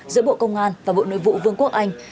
giữa bộ công an và bộ nội vụ vương quốc anh